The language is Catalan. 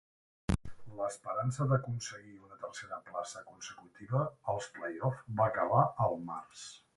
L'esperança d'aconseguir una tercera plaça consecutiva per als play-offs va acabar al març.